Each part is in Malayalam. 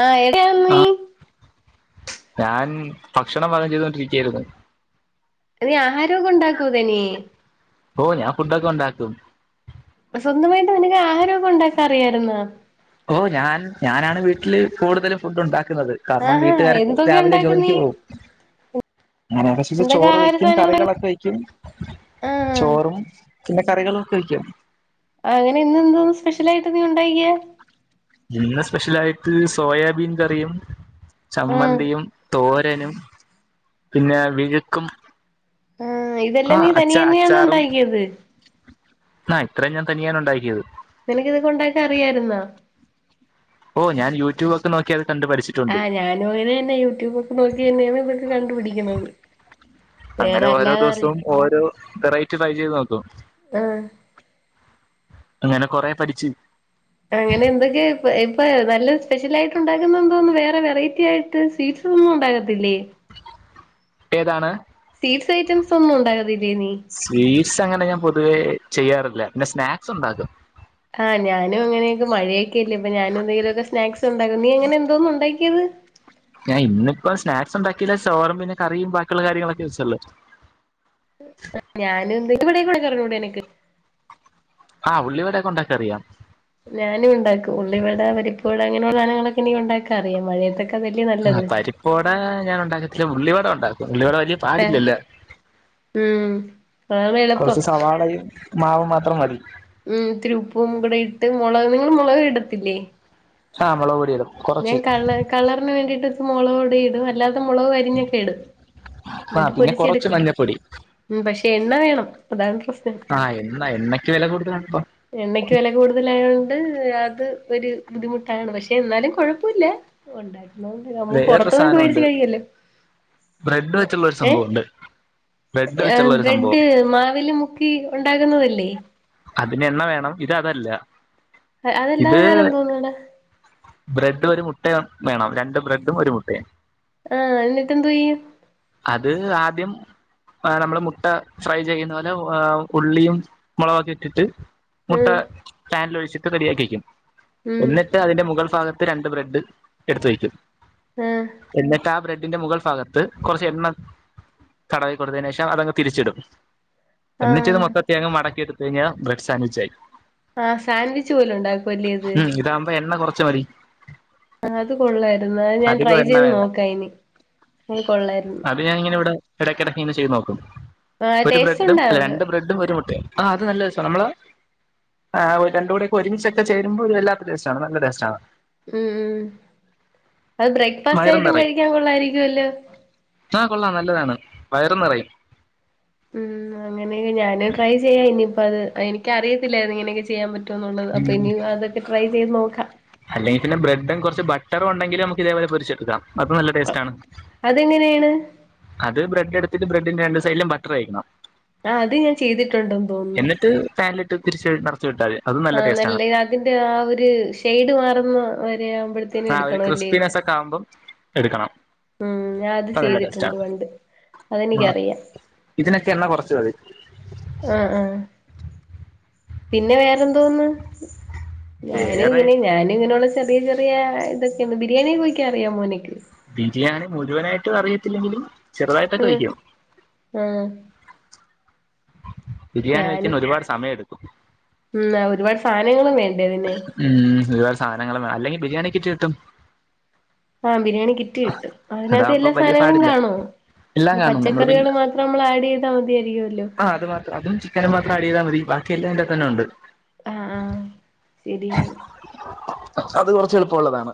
ആഹ് എവിടെയായിരുന്നു ആ നീ ഞാൻ ഭക്ഷണം പാകം ചെയ്തുകൊണ്ടിരിക്കയായിരുന്നു നീ ആഹാരമൊക്കെ ഉണ്ടാകോ തനിയെ ഓ ഞാൻ ഫുഡൊക്കെ ഉണ്ടാക്കും സ്വന്തമായിട്ട് നിനക്ക് ആഹരാരോഗം ഉണ്ടാക്കാ അറിയായിരുന്ന ഓ ഞാൻ ഞാനാണ് വീട്ടില് കൂടുതലും ഫുഡ് ഉണ്ടാക്ക കാരണം ആഹാ വീട്ടുകാരൊക്കെ എന്തൊക്കെ രാവിലെ ഉണ്ടാക്കും ജോലിക്ക് നീ പോകവും അങ്ങനെയൊക്കെ ച എന്തൊക്കെ ചോറ് ആഹാര വെക്കും സാധനങ്ങള് കറികളൊക്കെ വെക്കും ആഹ് ചോറും പിന്നെ കറികളൊക്കെ വെക്കണം അങ്ങനെ ഇന്ന എന്തോ സ്പെഷ്യൽ ആയിട്ട് നീ ഉണ്ടാക്കിയെ ഇന്ന് സ്പെഷ്യൽ ആയിട്ട് സോയാബീൻ കറിയും ആഹ് ചമ്മന്തിയും തോരൻ പിന്നെ വിഴുക്കും ആഹ് ഇതെല്ലാം ആഹ നീ അച്ച തനിയെ തന്നെയാണോ അച്ചാറും ഉണ്ടാക്കിയത് ആ ഇത്രയും ഞാൻ തനിയാണ് ഉണ്ടാക്കിയത് നിനകിത് ഉണ്ടാകാനൊക്കെ അറിയാരുന്നാ ഓ ഞാൻ യട്യൂബ് ഒക്കെ നോകിയാ ആഹ് ഞാനും ഇങ്ങനെന്നെ യൂട്യൂബ് ഒക്കെ നോക്കി തന്നെയാണ് ഇതൊക്കെ കണ്ടുപിടിക്കുന്നത് [inaudible] അങ്ങനെ വേറെ ഓരോ അല്ലാതെ അറി ദിവസവും ഓരോ വെറൈറ്റി ട്രൈ ചെയ്ത് നോക്കൂ [inaudible] ആഹ് അങ്ങനെ കൊറെ പഠിച്ചു [inaudible] അങ്ങനെ എന്തൊക്കെയ [unintelligible] അപ്പ നല്ല സ്പെഷ്യൽ ആയിട്ട് ഉണ്ടാക്കുന്ന എന്തോന്ന് വേറെ വെറൈറ്റി ആയിട്ട് സ്വീറ്റ്സ് ഒന്നും ഉണ്ടാക്കത്തില്ലേ [inaudible] ഏതാണ് [inaudible] സ്വീറ്റ്സ് ഐറ്റം ഒന്നും ഉണ്ടാക്കതില്ലേ നീ [inaudible] സ്വീറ്റ്സ് അങ്ങനെ ഞാൻ പൊതുവേ ചെയ്യാറില്ല പിന്നെ സ്നാക്സ് ഉണ്ടാക്കും ആഹ് ഞാനും അങ്ങനെയൊക്കെ മഴയൊക്കെല്ലേ അപ്പൊ ഞാനും എന്തെങ്കിലുമൊക്കെ സ്നാക്സ് ഉണ്ടാക്കും നീ അങ്ങനെ [unintelligible] [inaudible] ഞാൻ ഇന്നിപ്പോം സ്നാക്സ് ഉണ്ടാക്കില്ല ചോറും പിന്നെ കറിയും ബാക്കിയുള്ള കാര്യങ്ങളൊക്കെ വെച്ചല്ലോ ഞാന് [unintelligible] [inaudible] ആ ഉള്ളിവടയൊക്കെ ഇണ്ടാക്കാൻ അറിയാം ഞാനും ഉണ്ടാക്കും ഉള്ളിവട പരിപ്പുവട അങ്ങനെയുള്ള സാധനങ്ങളൊക്കെ എനിക്ക് ഉണ്ടാക്കാൻ അറിയാം മഴയതൊക്കെ ആ പരിപ്പുവട ഞാൻ ഉണ്ടാക്കത്തില്ല ഉള്ളി വട ഉണ്ടാക്കും ഉള്ളി വട വലിയ ഏഹ് പാടില്ലല്ലോ [inaudible] ഉം അതാണ് എളുപ്പം കൊറച്ച് സവാളായും മാവും മാത്രം മതി. ഇത്തിരി ഉപ്പും കൂടെ ഇട്ട്, മുളകും നിങ്ങള് മുളക് ഇടത്തില്ലേ. ആ മുളക് പൊടി ഇടും ഞാൻ കുറച്ച് കള കളറിന് വേണ്ടിട്ട് ഇപ്പൊ മുളക് പൊടി ഇടും അല്ലാതെ. മൊത്തം മുളകും അരിഞ്ഞൊക്കെ ഇടും, ആ എന്നിട്ട് പിന്നെ കുറച്ച് പൊരിച്ചെടുക്കും മഞ്ഞപ്പൊടി ഉം പക്ഷെ. എണ്ണ വേണം അതാണ്. ആഹ് എണ്ണ എണ്ണക്ക് വില കൂടി. എണ്ണക്ക് വില കൂടുതലായോ ണ്ട് അത് ഒരു ബുദ്ധിമുട്ടാണ്, പക്ഷെ എന്നാലും കൊഴപ്പുല്ല ഉണ്ടാക്കി. ഒന്നാതെ നമ്മള് വേറൊരു പുറത്തു നിന്നൊക്കെ മേടിച്ച് സാധനമുണ്ട് കഴിക്കാലോ, ബ്രെഡ് ഇപ്പൊ വെച്ചുള്ള ഒരു ഏഹ്. സംഭവമുണ്ട് ബ്രെഡ് ആഹ് വെച്ചുള്ള ഒരു സംഭവം ബ്രെഡ് മാവിന് മുക്കി ഉണ്ടാക്കുന്നതല്ലേ. അതിന് എണ്ണ വേണം ഇത് അതല്ല. ഇത് അതല്ലാതെ വേറെ എന്തോന്നാണ്. ബ്രെഡ് ഒരു മുട്ടയും വേണം, രണ്ട് ബ്രെഡും ഒരു മുട്ടയും. ആഹ് എന്നിട്ട് എന്തോ ചെയ്യും. അത് ആദ്യം. ആഹ് നമ്മള് മുട്ട ഫ്രൈ ചെയ്യുന്നപോലെ ഓഹ് ഉള്ളിയും മുളക് ഒക്കെ ഇട്ടിട്ട്. മുട്ട ഉം പാനില് ഒഴിച്ചിട്ട് റെഡിയാക്കി വെക്കും, ഉം എന്നിട്ട് അതിന്റെ മുകൾഭാഗ ത്ത് രണ്ട് ബ്രെഡ് എടുത്തു വയ്ക്കും, ആഹ് എന്നിട്ട് ആഹ് ബ്രെഡിന്റെ മുകൾഭാഗത്ത്. കുറച്ച് എണ്ണ തടവി കൊടുത്തതിന് ശേഷം അതങ്ങ് തിരിച്ചിടും. എന്നിട്ട് ഇത് ആഹ് മൊത്തത്തിൽ അങ്ങ് മടക്കിയെടുത്ത് കഴിഞ്ഞാൽ ബ്രെഡ് സാൻഡ്‌വിച്ച് ആയി. ആഹ് സാൻഡ്‌വിച്ച് പോലെ ഉണ്ടാക്കുവല്ലേ അത്. ച്ച വതി ആഹ് അത് കൊള്ളായിരുന്നു അത് ഞാൻ ട്രൈ എണ്ണ ചെയ്ത് വേണ്ട നോക്ക ഇനി അത് കൊള്ളാര് അത് ഞാന് ഇങ്ങനെ ഇവടെ എടക്കെടക്ക് ഇങ്ങനെ ചെയ്ത് നോക്കും ആഹ് ഒരു ടേസ്റ്റ് ബ്രെഡും അല്ല ഉണ്ടായിരുന്നു രണ്ട് ബ്രെഡും ഒരു മുട്ടയും ആഹ് അത് നല്ല രസാ നമ്മള് ആഹ് ഒര് രണ്ടൂടെക്കെ ഒരുമിച്ചൊക്കെ ചേരുമ്പോ ഒരു വല്ലാത്ത ടേസ്റ്റാണ് നല്ല ടേസ്റ്റാണ് ഉം ഉ അത് ബ്രേക്ക്ഫാസ്റ്റ് വയറും ആയിട്ടും കഴിക്കാൻ കൊള്ളായിരിക്കുവല്ലോ ആഹ് കൊള്ളാം നല്ലതാണ് വയറും നെറയും ഉം അങ്ങനെ ഞാന് ട്രൈ ചെയ്യാ ഇനിയിപ്പ അത് എനിക്ക് അറിയത്തില്ലായിര്ന്നു ഇങ്ങനെയൊക്കെ ചെയ്യാൻ പ റ്റൂന്നുള്ളത് അപ്പൊ ഉം ഇനി അതൊക്കെ ട്രൈ ചെയ്ത് നോക്കാ ച്ചാറു ഉണ്ടെങ്കിലും നമുക്ക് ഇതേപോലെ പൊരിച്ചെടുക്കാം അതും നല്ല ടേസ്റ്റ് ആണ്. അതെങ്ങനെയാണ് അത് ബ്രെഡ് എട്ത്തിട്ട് ബ്രെഡിന്റെ രണ്ട് സൈഡിലും ബട്ടർ തേക്കണം ആഹ് അത് ഞാൻ ചെയ്തിട്ടുണ്ടെന്ന് തോന്നുന്നു. എന്നിട്ട് പാനിലിട്ട് തിരിച്ച് നെറച്ച് വിട്ടാതി. ആഹ് നല്ല അതിന്റെ ആ ഒരു ഷെയ്ഡ് മാറുന്ന തെ ആവുമ്പോഴത്തേനും ആ ഒരു എടുക്കണല്ലേ ക്രിസ്പിനെസ് ഒക്കെ ആകുമ്പം എടുക്കണം ഉം ഞാ അത് ചെയ്തിട്ടുണ്ട് പണ്ട് മഅ അതെനിക്കറിയാം ഇതിനെക്കെ എണ്ണ കൊറച്ച് മതി ആഹ് ആഹ് പിന്നെ വേറെന്തോന്ന് ഞാന് വേറെ ഇങ്ങനെ ഞാന് ഇങ്ങനൊള്ള ചെറിയ ചെറിയ ഇതൊക്കേണ് ബിരിയാണി ഒക്കെ വെക്കാ അറിയാ മോന്ക്ക് ബിരിയാണി മുഴുവനായിട്ടും അറിയത്തില്ലെങ്കിലും ചെറ്തായിട്ടൊക്കെ വെക്കും. ആ ആ ബിരിയാണി ഞാനും വെക്കാൻ ഒരുപാട് സമയം എടുക്കും ഉം ആ ഒരുപാട് സാനങ്ങളും വേ ഉം ഒരു പാട് സാധനങ്ങളുംവേ. അല്ലെങ്കി ബിരിയാണി കിറ്റ് കിട്ടും. ആഹ് ബിരിയാണി കിറ്റ് കിട്ടും. അതിനകത്ത് അതാകുമ്പോ എല്ലാ വലിയ സാധനങ്ങളും പാടില്ല കാണോ? എല്ലാം പിന്നെ കാണും പച്ചക്കറികള് മാത്രം അമ്മള് ആഡ്യ്താ മതിയായിരിക്കു ആഹ് അത് മാത്രം അതും ചിക്കനും മാത്രം ആഡെയ്താമതി. ബാക്കി എല്ലാം അതിന്റെ അകതന്നെ ഉണ്ട് ആഹ് ആഹ് ശരിയാണ് അത് കൊറച്ച് എളുപ്പമുള്ളതാണ്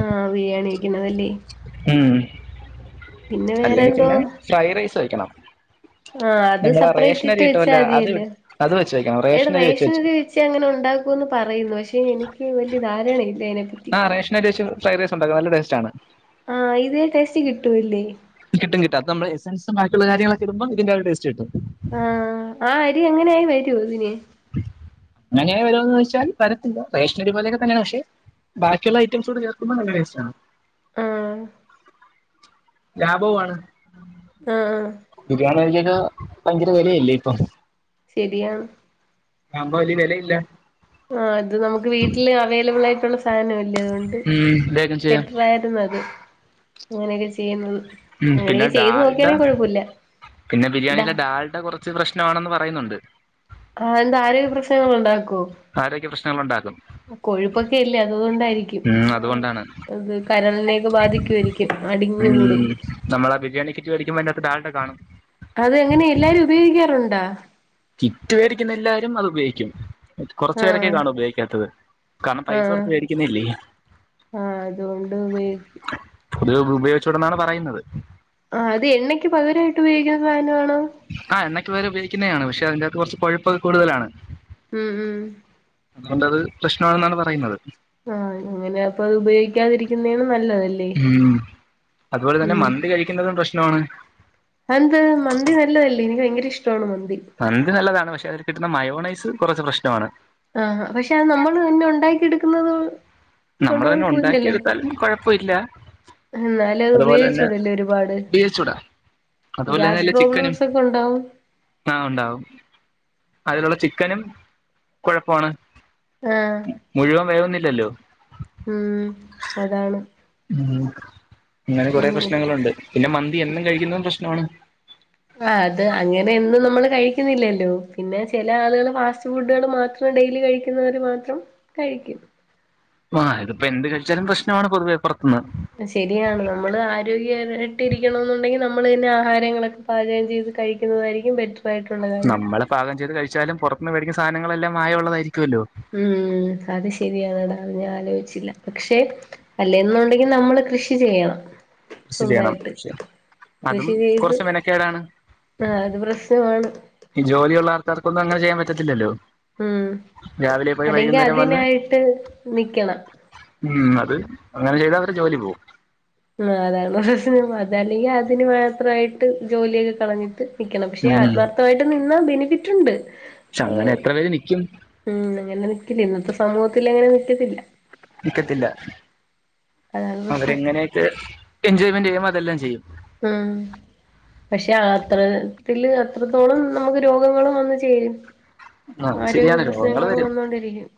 ആഹ് ബിരിയാണി വെക്കുന്നത് അല്ലെ? ഉം ഉം പിന്നെ അല്ലെ വേറെ എന്തോ പിന്നെ ഫ്രൈ റൈസ് വെക്കണം. ആഹ് അത് നമ്മള ആ സപ്പറേറ്റ് ഇട്ട് റേഷനരി വെച്ചാ കിട്ടുമല്ല അത് മതിയല്ലോ അത് വെച്ച് വെക്കണം എടാ റേഷനരി വെച്ച് റേഷൻ അരി വെച്ച് അങ്ങനെ ഒണ്ടാക്കു ക്കൂന്ന് പറയുന്നു പക്ഷെ എനിക്ക് വല്യ ധാരണ ഇല്ല അയ്നെപറ്റി ആ റേഷനരി വെച്ച് ഫ്രൈ റൈസ് ഉണ്ടാക്കാം നല്ല ടേസ്റ്റ് ആണ് കിട്ടുവല്ലേ കിട്ടും കിട്ടും അത് നമ്മള് എസൻസുണ്ടാക്കി ള്ള കാര്യങ്ങളോക്കെ ഇടുമ്പോ ഇതിന്റെ ആ ഒരു ടസ്റ്റ് കിട്ടും. ആഹ് ആ അരി അങ്ങനായി വരോ ഇതിന് അങ്ങനെ വരോന്ന് ചോയ്ച്ചാൽ വരത്തില്ല, റേഷനരിപോലെയൊക്കെ തന്നെയാണ് പക്ഷേ ബാക്കിയുള്ള ഐറ്റംസോടെ ചേർക്കുമ്പോ നല്ല ടേസ്റ്റാണ്. ആഹ് ലാഭവും ആണ്. ആഹ് ആഹ് [unintelligible] ഭയങ്കര വെലയല്ലേ ഇപ്പം. ശരിയാണ് ആവുമ്പോ വെല്ല്യ വെലയില്ല. ആ അത് നമുക്ക് വീട്ടില് അവൈലബിൾ ആയിട്ട് [unintelligible] അതൊണ്ട് ഉം വേഗം ചെയ്യാം ബെറ്ററായിരുന്നു അത്, അങ്ങനെയൊക്കെ ചെയ്യുന്നത്. ഉം അങ്ങനെ പിന്നെ ഒക്കെ ചെയ്ത് ഡാൽഡ നോക്കിയാണെങ്കിൽ കൊഴപ്പൊല്ല പിന്നെ ബിരിയാണീലെ ഡാൾഡ കൊറച്ച് പ്രശ്നമാണെന്ന് പറയുന്നുണ്ട് ആഹ് എന്താ ആരോഗ്യ പ്രശ്നങ്ങളുണ്ടാ ആരോഗ്യ പ്രശ്നങ്ങളുണ്ടാക്കും കൊഴുപ്പൊക്കെ അല്ലേ, അത് കൊണ്ടായിരിക്കും, അതുകൊണ്ടാണ് ആഹ് കരളിനെയൊക്കെ ബാധിക്കുവായിരിക്കും അത് ഉം നമ്മളാ ബിരിയാണി കിറ്റ് വേടിക്കുമ്പോ അയ്നകത്ത് ഡാൾഡ കാണും അതെങ്ങനെ എല്ലാരും ഉപയോഗിക്കാറുണ്ടാ? കിറ്റ് വേടിക്കുന്ന എല്ലാരും അത് ഉപയോഗിക്കും- കൊറച്ചു പേരൊക്കെ ആഹ് കാണു ഉപയോഗിക്കാത്തത്. കാരണം പൈസ ആഹ് കൊട്ത്ത് വേടിക്കുന്നില്ലേ- ആഹ് അതോണ്ട് ഉപയോഗിക്ക് അത് ഉപയോഗിച്ചൂടെന്നാണ് പറയുന്നത്- ആഹ് അത് എണ്ണയ്ക്ക് പകരായിട്ട് ഉപയോഗിക്കുന്ന സാനാണോ- എണ്ണക്ക്പകരഉപയോഗിക്കുന്നെആണ്. പക്ഷെ അതിന്റെകത്ത് കൊറച്ച് കൊഴുപ്പൊക്കെ കൂടുതലാണ് മ് മ്ഹ്- അത് കൊണ്ടത് പ്രശ്നാണെന്നാണ് പറയുന്നത്- ആഹ്. അങ്ങനെ അപ്പൊ അത് ഉപയോഗിക്കാതിരിക്കുന്നേണ് നല്ലത് ല്ലേ- ഉം അതുപോലെ തന്നെ മന്തി കഴിക്കുന്നതും പ്രശ്നാണ് അതന്ത് മന്തി നല്ലതല്ലേ എനിക്ക് ഭയങ്കര ഇഷ് മന്തി നല്ലതാണ്. പക്ഷെ അതിൽ കിട്ടുന്ന മയോണൈസ് കൊറച്ച് പ്രശ്നാണ്- ആഹ്. ഹ പക്ഷെ അത് നമ്മള് തന്നെ ഒണ്ടാക്കി എട്ക്കുന്നത്- നമ്മള് തന്നെ ഒണ്ടാക്കിയെടുത്താലും കൊഴപ്പയില്ല- എന്നാലും അത് അതുപോലെ തന്നെ ഉപയോഗിച്ചൂടല്ലേ ഒരുപാട് ബി എചുടാ- അതുപോലെ ഗ്യാസ് തന്നല്ലേ ചിക്കനും പ്രോബ്ലംസ് ഒക്കെ ഉണ്ടാവും ആഹ് ഒണ്ടാവും- അതിലുള്ള ചിക്കനും കൊഴപ്പാണ് മുഴുവൻ വേകുന്നി ല്ലല്ലോ? മ്ഹ് അതാണ്- ഉം ഇങ്ങനെ കൊറെ ഉം പ്രശ്നങ്ങളുണ്ട് പിന്നെ മന്തി എന്നും കഴിക്കുന്നതും പ്രശ്നമാണ്- ആഹ് അത് അങ്ങനെന്നും നമ്മൾ കഴിക്കുന്നില്ലല്ലോ പിന്നെ ചില ആളുകൾ ഫാസ്റ്റ് ഫുഡുകൾ മാത്രം- ഡെയിലികഴിക്കുന്നവരു മാത്രം കഴിക്കും- ആഹ് ഇതിപ്പോ എന്ത് കഴിച്ചാലും പ്രശ്നമാണ് പൊതുവെ പർ ശരിയാണ് നമ്മള് ആരോഗ്യകരായിട്ട് ഇരിക്കണംന്ന് ഉണ്ടെങ്കിൽ ന നമ്മളന്നെ ആഹാരങ്ങളൊക്കെ പാചകം ചെയ്ത് കഴിക്കുന്നതായിരിക്കും ബെറ്ററ് നമ്മള് പാകം ചെയ്ത് കഴിച്ചാലും പുറത്ത് നിന്നും മേടിക്കുന്ന സാധനങ്ങളെല്ലാം മായം ഉള്ളതായിരി ഉം അത് ശരിയാണടാ അത് ഞാൻ ആലോചിച്ചില്ല. പക്ഷെ അല്ലെന്നുണ്ടെങ്കില് നമ്മള് കൃഷി ചെയ്യണം. കൃഷി ചെയ്യണം സ്വന്തായിട്ട് വിഷയം അതും കൃഷി ചെയ്ത് കുറച്ച് മെനക്കേടാണ് ആഹ് അത് പ്രശ്നമാണ് ഈ ജോലിയുള്ള ആൾക്കാർക്ക് അങ്ങനെ ചെയ്യാൻ പറ്റത്തില്ലല്ലോ ഉം രാവിലെ പോയി അല്ലെങ്കിൽ വൈകുന്നേരം വന്ന് അതിനായിട്ട് നിക്കണം ഉം അത് അങ്ങനെ ചെയ്ത അവരെ ജോലി പോകും ആ അതാണ് പ്രശ്ന അത് അല്ലെങ്കിൽ അതിന് മാത്രമായിട്ട് ജോലിയൊക്കെ കളഞ്ഞിട്ട് നൽക്കണം പക്ഷേ ഉം ആത്മാർത്ഥമായിട്ട് നിന്നാ ബെനിഫിറ്റ് ഉണ്ട് പക്ഷെ അങ്ങനെ ആഹ് എത്ര പേര് നൽക്കും ഉം അങ്ങനെ നിക്കില്ല ഇന്നത്തെ സമൂഹത്തി അങ്ങനെ നിക്കത്തില്ല നിക്കത്തില്ല അതാണ് പ്രശ്നം അവരെങ്ങനെയായിട്ട് എൻജോയ്മെന്റ് ചെയ്യുമ്പോ അതെല്ലാം ചെയ്യും ആഹ പക്ഷെ അത്രത്തിൽ അത്രത്തോളം നമുക്ക് രോഗങ്ങളും വന്ന ചേരും ആ അത് ആരോഗ്യ ശരിയാണ് രോഗങ്ങൾ പ്രശ്നങ്ങൾ വരും വന്നുകൊണ്ടിരിക്കും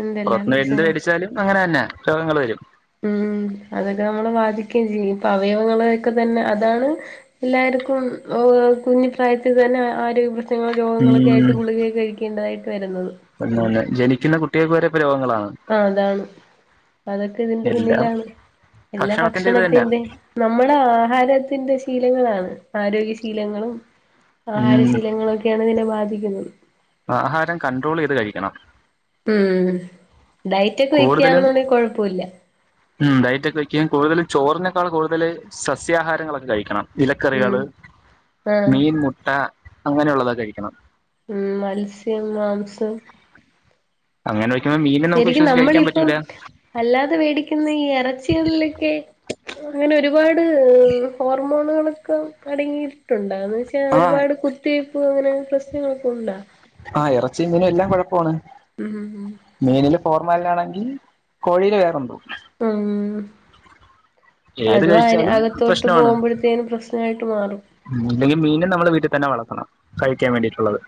എന്തെല്ലാം പുറത്തുനിന്ന് എന്ത് പ്രശ്നം മേടിച്ചാലും അങ്ങനെ തന്നെ രോഗങ്ങൾ വരും ഉം അതൊക്കെ നമ്മള് അത് ക ജി [unintelligible] അവയവങ്ങളൊക്കെ തന്നെ അതാണ് എല്ലാവർക്കും കുഞ്ഞി പ്രായത്തിൽ തന്നെ ആരോഗ്യ രോഗങ്ങളൊക്കെ ആയിട്ട് ഗുളികയ്ക്ക് കഴിക്കേണ്ടതായിട്ട് വരുന്നത് അങ്ങനെ ജനിക്കുന്ന കുട്ടികൾക്ക് വരെ രോഗങ്ങളാണ് ആ അതാണ് അതൊക്കെ ഇതിന്റെ എല്ലാം പിന്നിലാണ് എല്ലാ ഇത് തന്നെയാ ഭക്ഷണത്തിന്റെ നമ്മുടെ ആഹാരത്തിന്റെ ശീലങ്ങളാണ് ശീലങ്ങൾ ആണ് ശീലങ്ങളാണ് ആരോഗ്യശീലങ്ങളും ആഹാര ഉം ശീലങ്ങളും ഒക്കെയാണ് ഇതിനെ ബാധിക്കുന്നത് ആഹാരം കണ്ട്രോൾ കൺട്രോൾ ചെയ്ത് കഴിക്കണം ഉം ഡയറ്റ് ഒക്കെ വെക്കുന്നുണ്ടെങ്കിൽ കുഴപ്പമില്ല ഉ് ഡയറ്റൊക്കെ വെക്കുകയും കൂടുതും ചോറിനേക്കാൾ കൂടുതൽ സസ്യാഹാരങ്ങളൊക്കെ കഴിക്കണം ഉം ഇലക്കറികള് ആഹ് മീൻ മുട്ട അങ്ങനെയുള്ളത് കഴിക്കണം ഉം മത്സ്യം മാംസം അങ്ങനെ വെക്കുമ്പോ മീനെ നമുക്ക് ശരിക്കും വിശ്വസിച്ച് കഴിക്കാൻ നമ്മളിപ്പോ പറ്റൂല അല്ലാതെ മേടിക്കുന്ന ഈ ഇറച്ചികളിലൊക്കെ അങ്ങനെ ഒരുപാട് ഹോർമോണുകൾ അടങ്ങിയിട്ടുണ്ടെന്ന് വെച്ചാ ആഹ് ഒരുപാട് കുത്തിവെപ്പ് അങ്ങനെ പ്രശ്നങ്ങളൊക്കെ ഉണ്ട ആഹ ഇറച്ചിയും മീനും എല്ലാം കുഴപ്പമാണ് ഉ ഹ മീനില് ഫോർമാലിനാണെങ്കിൽ കോഴിൽ വേറെണ്ടോ [unintelligible] ആ ഏത് അത് കഴിച്ചാലും അകത്തോട്ട് പോകുമ്പോഴത്തേനും പ്രശ്നമായിട്ട് മാറും ഉം ഇല്ലെങ്കിൽ മീനും നമ്മൾ വീട്ടിൽ തന്നെ വളർത്തണം കഴിക്കാൻ വേണ്ടിയിട്ടുള്ളത്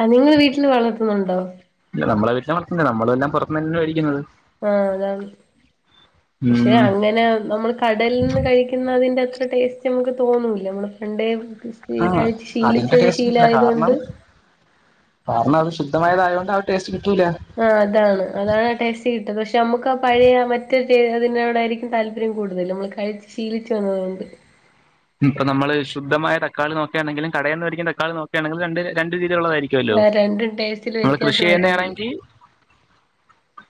അത് നിങ്ങള് വീട്ടില് വളർത്തുന്നുണ്ടോ ഇല്ല നമ്മളെ വീട്ടിലും വളർത്തുന്നില്ല നമ്മളും എല്ലാം പുറത്തു തന്നാണ് വെടിക്കുന്നത് ആഹ് അതാണ് പക്ഷെ ഉം അങ്ങനെ നമ്മൾ കടലിൽ നിന്ന് കഴിക്കുന്ന അതിന്റെ അത്ര ടേസ്റ്റ് നമുക്ക് തോന്നൂല നമ്മള് പണ്ടേ കൃസ്പി ആഹ് കഴിച്ചു അതിന്റെ ശീലിച്ചൊരു ടേസ്റ്റ് കിട്ടില്ല കാരണം ശീലായതൊണ്ട് ശുദ്ധമായാതു കൊണ്ട് ആ ടെസ്റ്റ് കി ആഹ് അതാണ് അതാണ് ആ ടെസ്റ്റ്‌ കിട്ടത് പക്ഷെ നമ്മുക്ക് ആ പഴയ മറ്റെ റ്റെ അതിനോടായിരിക്കും താല്പര്യം കൂടുതൽ നമ്മൾ കഴിച്ചു ശീലിച്ച് വന്നതുകൊണ്ട് ഇപ്പൊ നമ്മള് ശുദ്ധമായ തക്കാളി നോക്കയാണെങ്കിലും കടന്ന് വെടിക്കുന്ന തക്കാളി നോക്കയാണെങ്കിലും രണ്ട് രണ്ട് രീ തിയുള്ളയിരിക്കല്ലോ ആഹ് രണ്ടും ടേസ്റ്റില് നമ്മൾ കൃഷി വ്യത്യാസം ചെയ്യുന്ന വരും അതില് ആണെങ്കി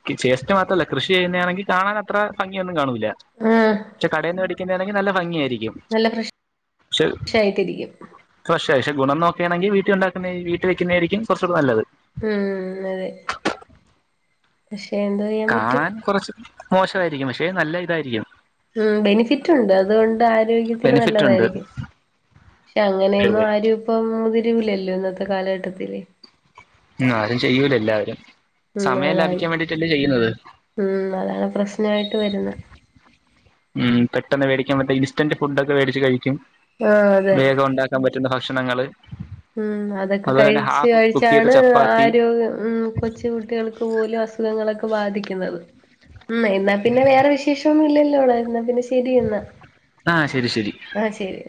[unintelligible] അത് മാത്രല്ല കൃഷി ചെയ്യുന്നണെങ്കിൽ കാണാൻ അത്ര ഭംഗിയൊന്നും കാണൂല്ല ആഹ് പക്ഷെ കടന്ന് വേടി ക്കുന്ന ആണേൽ നല്ല ഭംഗിയായിരിക്കും നല്ല ഫ്രഷ് പക്ഷെ ആയിട്ടിരിക്കും ഫ്രഷാ പക്ഷെ ഗുണം നോ ക്കെയണെൽ വീട്ടുണ്ടാക്കുന്ന ആയി വീട്ടിൽ വെക്കുന്നായിരിക്കും കുറച്ചുടെ നല്ലത് ഉം അതെ എന്തോ ചെയ്യാൻ പറ്റും കാണാൻ കുറച്ച് മോശവായിരിക്കും പക്ഷെ നല്ല ഇതായിരിക്കും ഉം ബെനിഫിറ്റുണ്ട് അതുകൊണ്ട് ആരോഗ്യത്തിന് ബെനിഫിറ്റ് ഉണ്ട് നല്ലതായിരിക്കും. പക്ഷെ അങ്ങനെയൊന്നും ഉം ആരും ഇപ്പം മുതിരൂല്ലല്ലോ ഇന്നത്തെ കാലഘട്ടത്തില്. ഇന്നാരും ചെയ്യൂല എല്ലാരും ഉം അതാണ് ഉം അതാണ് പ്രശ്നായിട്ട് വരുന്ന ഉം പെട്ടെന്ന് മേടിക്കാൻ മറ്റേ ഇൻസ്റ്റന്റ് ഫുഡ്ഡൊക്കെ മേടിച്ച് കഴിക്കും. ആഹ് അതെ വേഗം ഒണ്ടാക്കാൻ പറ്റുന്ന ഭക്ഷണങ്ങള്. ഉം അതൊക്കെ അതുപോലെ തന്നെ കഴിച്ച് ഹാഫ് കുക്ക് ചെയ്ത കഴിച്ചാണ് ചപ്പാത്തി ആരോ ഉം കൊച്ച് കുട്ടികൾക്ക് പോലും അസുഖങ്ങളക്കെ ബാധിക്കുന്നത്. ഉം എന്നാ പിന്നെ വേറെ വിശേഷം ഒന്നും ഇല്ലല്ലോ അവിടെ എന്ന പിന്നെ ശെരി എന്നാ ആഹ് ശരി ശരി ആഹ് ശെരി